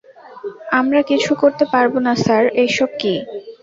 আমরা কিছু করতে পারবো না স্যার এইসব কী?